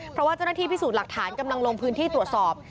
เพราะว่าเจ้าหน้าที่พิสูจน์หลักฐานกำลังลงพื้นที่ตรวจสอบ